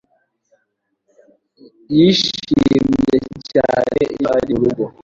Yishimye cyane iyo ari murugo.